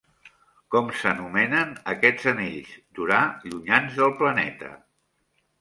Com s'anomenen aquests anells d'Urà llunyans del planeta?